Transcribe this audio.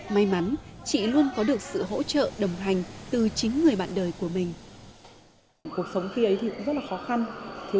may mắn chị luôn có được sự hỗ trợ đồng hành từ chính người bạn đời của mình